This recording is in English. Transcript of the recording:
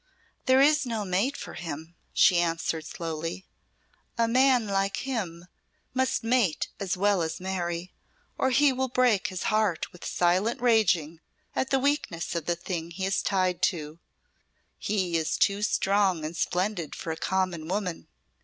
"There is no mate for him," she answered slowly. "A man like him must mate as well as marry, or he will break his heart with silent raging at the weakness of the thing he is tied to. He is too strong and splendid for a common woman.